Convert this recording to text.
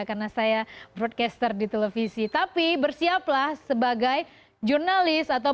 karena saya broadcaster di televisi tapi bersiaplah sebagai jurnalis atau